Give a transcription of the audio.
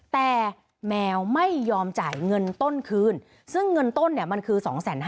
แต่แมวไม่ยอมจ่ายเงินต้นคืนซึ่งเงินต้นเนี่ยมันคือ๒๕๐๐